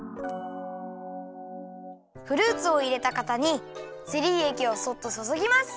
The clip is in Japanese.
フルーツをいれたかたにゼリーえきをそっとそそぎます。